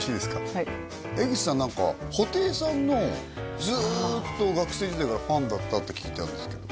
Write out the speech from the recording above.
はい江口さん何か布袋さんのずっと学生時代からファンだったって聞いたんですけど